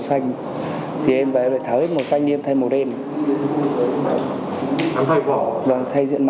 thay diện mạng xe luôn